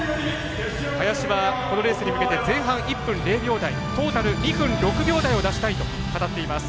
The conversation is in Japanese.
林は、このレースに向けて前半１分０秒台トータル２分６秒台を出したいと語っています。